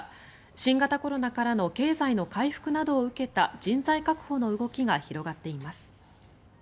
新型コロナからの経済の回復を受けた人材確保の動きが広がっています。